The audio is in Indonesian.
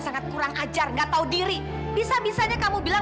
sampai jumpa di video selanjutnya